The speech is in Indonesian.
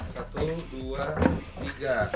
satu dua tiga